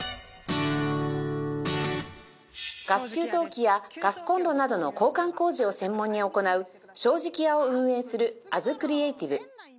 ガス給湯器やガスコンロなどの交換工事を専門に行う正直屋を運営するアズクリエイティブ